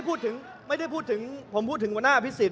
ผมไม่ได้พูดถึงวรรณาพิสิต